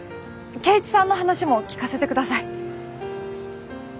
圭一さんの話も聞かせてください。